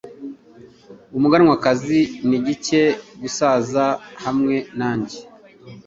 Umuganwakazi nigiker Gusaza hamwe nanjye